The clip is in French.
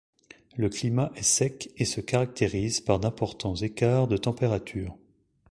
Le climat est sec et se caractérise par d'importants écarts de température.